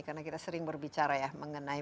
karena kita sering berbicara ya mengenai